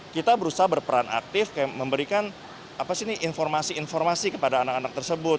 kita berusaha berperan aktif memberikan informasi informasi kepada anak anak tersebut